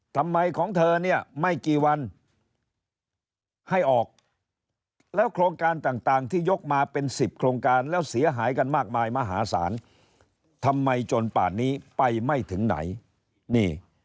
ทำไมของเธอเนี่ยไม่กี่วันให้ออกแล้วโครงการต่างที่ยกมาเป็น๑๐โครงการแล้วเสียหายกันมากมายมหาศาลทำไมจนป่านนี้ไปไม่ถึงไหนนี่